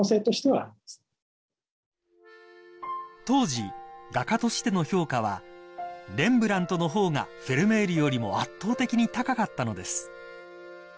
［当時画家としての評価はレンブラントの方がフェルメールよりも圧倒的に高かったのです］